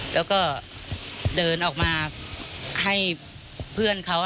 แล้วก็เดินออกมาให้เพื่อนเขา